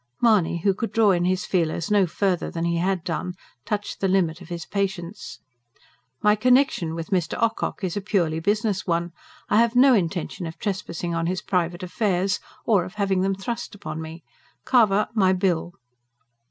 Mahony, who could draw in his feelers no further than he had done, touched the limit of his patience. "My connexion with Mr. Ocock is a purely business one. I have no intention of trespassing on his private affairs, or of having them thrust upon me. Carver, my bill!"